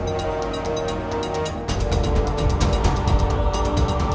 kauernya mereka harus berada hingga sekarang